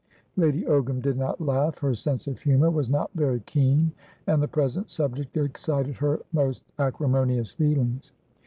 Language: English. Lady Ogram did not laugh. Her sense of humour was not very keen, and the present subject excited her most acrimonious feelings.